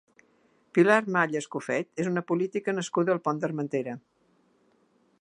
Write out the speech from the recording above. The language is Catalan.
Pilar Malla Escofet és una política nascuda al Pont d'Armentera.